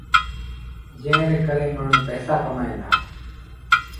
جݩهݩ ري ڪري مآڻهوٚٚݩ پئيٚسآ ڪمائيٚݩ دآ